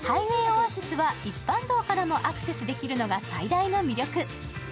オアシスは一般道からもアクセスできるのが最大の魅力。